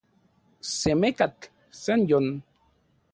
Se mekatl, san yon.